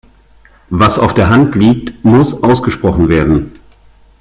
Was auf der Hand liegt, muss ausgesprochen werden.